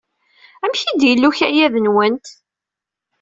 Amek ay d-yella ukayad-nwent?